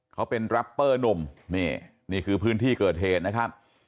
เขาเป็นแรปเปอร์หนุ่มนี่นี่คือพื้นที่เกิดเหตุนะครับ